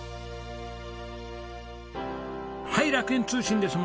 はい楽園通信です。